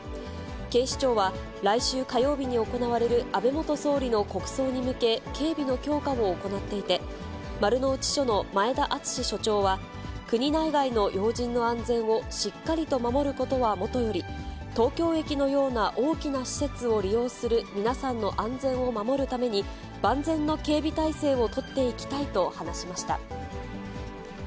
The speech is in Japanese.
警視庁は、来週火曜日に行われる安倍元総理の国葬に向け、警備の強化を行っていて、丸の内署の前田敦署長は、国内外の要人の安全をしっかりと守ることはもとより、東京駅のような大きな施設を利用する皆さんの安全を守るために、万全の警備体制を取っていきたいと話しました。